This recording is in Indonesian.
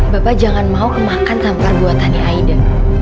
bapak jangan mau kemakan tanpa rebuatannya aida